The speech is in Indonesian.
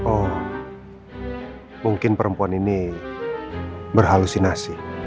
oh mungkin perempuan ini berhalusinasi